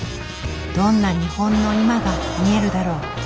どんな日本の今が見えるだろう？